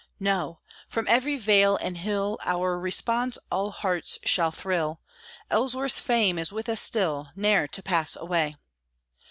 No! from every vale and hill Our response all hearts shall thrill, "Ellsworth's fame is with us still, Ne'er to pass away!"